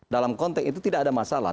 dalam konteks itu tidak ada masalah